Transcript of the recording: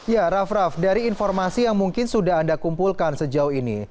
ya raff raff dari informasi yang mungkin sudah anda kumpulkan sejauh ini